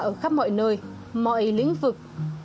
ở khắp mọi nơi mọi lĩnh vực